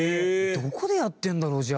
どこでやってるんだろう？じゃあ。